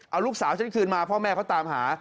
เอาลูกสาวฉันคืนมาพ่อแม่เขาตามหา